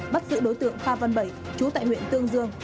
bắt giữ đối tượng pha văn bảy chú tại huyện tương dương